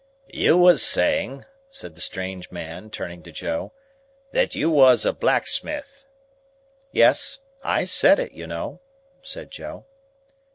"You was saying," said the strange man, turning to Joe, "that you was a blacksmith." "Yes. I said it, you know," said Joe.